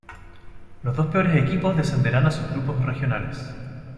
Los dos peores equipos descenderán a sus grupos regionales.